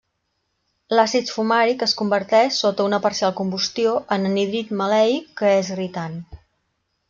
L'àcid fumàric es converteix, sota una parcial combustió, en anhídrid maleic que és irritant.